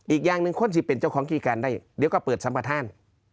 อีกอย่างหนึ่งคนที่เป็นเจ้าของกิจการได้เดี๋ยวก็เปิดสัมปทาน